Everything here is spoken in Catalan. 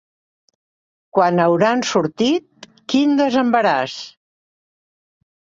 Quan hauran sortit, quin desembaràs!